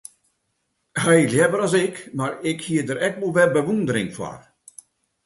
Hy leaver as ik, mar ik hie der ek wol wer bewûndering foar.